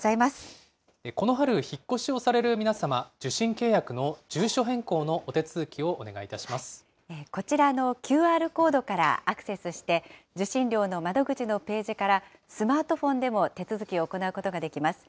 この春、引っ越しをされる皆様、受信契約の住所変更のお手続こちらのＱＲコードからアクセスして、受信料の窓口のページからスマートフォンでも手続きを行うことができます。